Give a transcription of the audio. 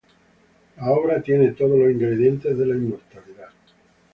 La obra tiene todos los ingredientes de la inmortalidad".